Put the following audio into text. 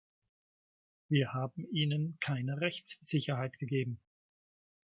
Wir haben ihnen keine Rechtssicherheit gegeben.